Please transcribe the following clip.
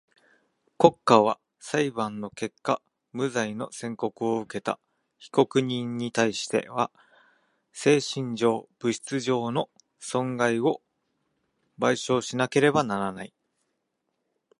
国家は裁判の結果無罪の宣告をうけた被告人にたいしては精神上、物質上の損害を賠償しなければならない。